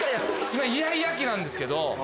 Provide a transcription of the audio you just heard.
今イヤイヤ期なんですけど。